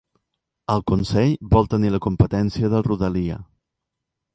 El Consell vol tenir la competència de Rodalia